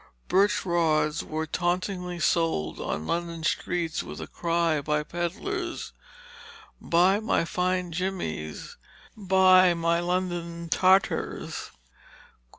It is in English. Birch rods were tauntingly sold on London streets with a cry by pedlers of "Buy my fine Jemmies; Buy my London Tartars."